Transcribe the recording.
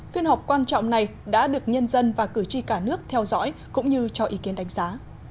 phiên họp quan trọng này đã được nhân dân và cử tri cả nước theo dõi cũng như cho ý kiến đánh giá